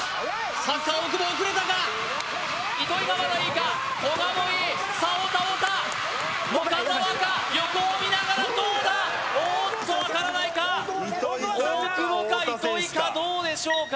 サッカー・大久保遅れたか糸井がまだいいか古賀もいいさあ太田太田岡澤が横を見ながらどうだおっと分からないか大久保か糸井かどうでしょうか